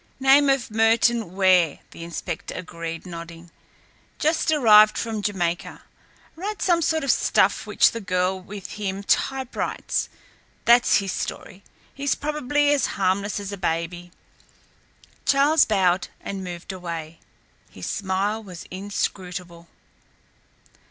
"Name of Merton Ware," the inspector agreed, nodding, "just arrived from Jamaica. Writes some sort of stuff which the girl with him typewrites. That's his story. He's probably as harmless as a baby." Charles bowed and moved away. His smile was inscrutable.